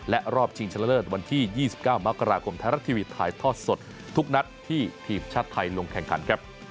และรอบชิงชนะเลิศวันที่๒๙มกราคมไทยรัฐทีวีถ่ายทอดสดทุกนัดที่ทีมชาติไทยลงแข่งขันครับ